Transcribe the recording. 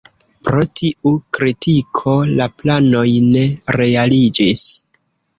Pro tiu kritiko la planoj ne realiĝis.